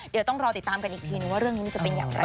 เดี๋ยวต้องรอติดตามกันอีกทีนึงว่าเรื่องนี้มันจะเป็นอย่างไร